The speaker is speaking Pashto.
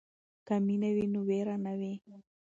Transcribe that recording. که مینه وي نو وېره نه وي.